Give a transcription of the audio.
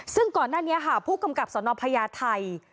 ซึ่งก่อนหน้านี้ค่ะผู้กำกับสนพญาไทย